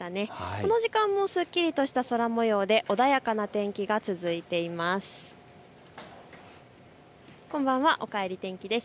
この時間もすっきりとした空もようで穏やかな天気が続いています。